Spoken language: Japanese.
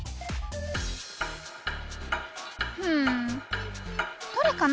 うんどれかな